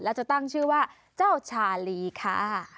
แล้วจะตั้งชื่อว่าเจ้าชาลีค่ะ